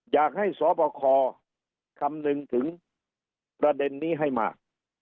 อยากให้สบคคำนึงถึงประเด็นนี้ให้มาก